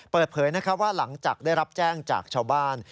เปิดเผยว่าหลังจากได้รับแจ้งจากชาวบ้าน